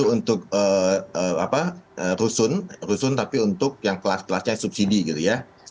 untuk rusun tapi untuk yang kelas kelasnya subsidi gitu ya